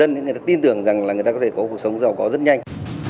rằng người ta có thể có cuộc sống giàu có rất nhanh